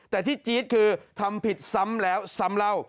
แต่ที่จี๊ดคือทำผิดซ้ำแล้วซ้ำเล่า